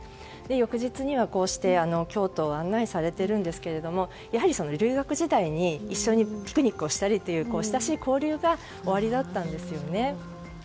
翌日には京都を案内されているんですがやはり留学時代に一緒にピクニックをしたりという親しい交流がおありだったんですよね。